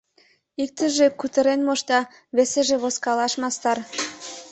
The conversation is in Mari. Иктыже кутырен мошта, весыже возкалаш мастар.